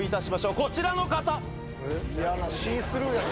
こちらの方。